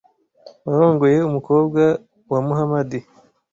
warongoye umukobwa wa Muhamadi